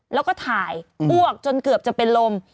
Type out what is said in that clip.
แล้วก็ถ่ายอ้วกจนเกือบจะเป็นลม